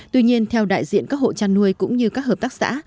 tuy nhiên theo đại diện các hộ chăn nuôi cũng như các hợp tác xã